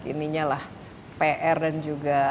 ininya lah pr dan juga